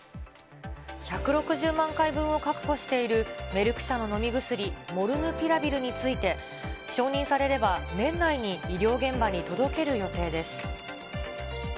１６０万回分を確保している、メルク社の飲み薬、モルヌピラビルについて、承認されれば年内に医療現場に届ける予定です。